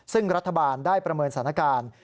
ซึ่งรัฐบาลได้ประเมินสถานการณ์